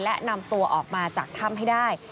และนำตัวออกมาจากถ้ำให้ได้